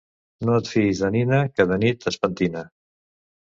No et fiïs de nina que de nit es pentina.